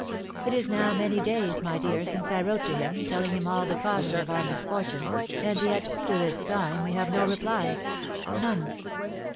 "It is now many days, my dear, since I wrote to him, telling him all the causes of our misfortunes, and yet to this time we have no reply, none.